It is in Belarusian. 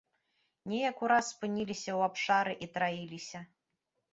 Неяк ураз спыняліся ў абшары і траіліся.